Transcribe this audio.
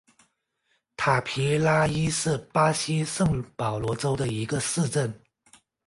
塔皮拉伊是巴西圣保罗州的一个市镇。